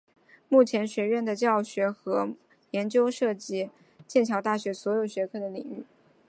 目前学院的教学和研究内容涉及剑桥大学所有学科的领域。